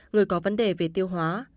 người có vấn đề về tiêu hóa